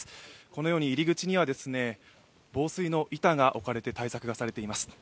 このように入り口には防水の板が置かれて、対策がされています。